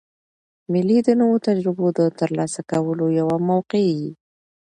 مېلې د نوو تجربو د ترلاسه کولو یوه موقع يي.